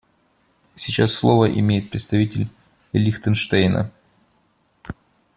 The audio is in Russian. Сейчас слово имеет представитель Лихтенштейна.